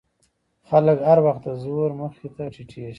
خلک هر وخت د زور مخې ته ټیټېږي.